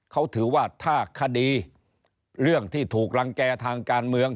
เขาถือว่าถ้าคดีเรื่องที่ถูกรังแก่ทางการเมือง